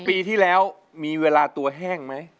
ปีที่แล้วมีเวลาตัวแห้งไหม